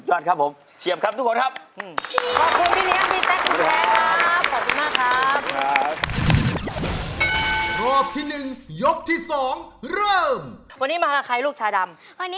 โอ้นี่ไงมาให้พ่อพรีมเลย